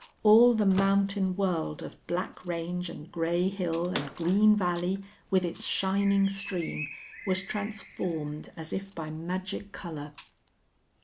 All the mountain world of black range and gray hill and green valley, with its shining stream, was transformed as if by magic color.